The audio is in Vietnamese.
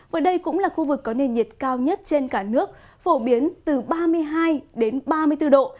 và đây cũng là khu vực có nền nhiệt cao nhất trên cả nước phổ biến từ ba mươi hai ba mươi bốn độ